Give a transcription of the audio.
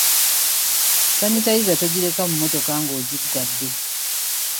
Sanitayiza togireka mu mmotoka ng’ogiggadde.